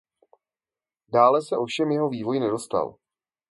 Dále se ovšem jeho vývoj nedostal.